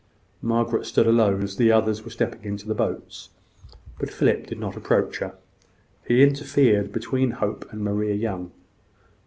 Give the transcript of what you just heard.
Margaret stood alone, as the others were stepping into the boats; but Philip did not approach her. He interfered between Hope and Maria Young.